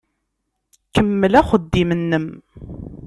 Kemmel axeddim-nnem.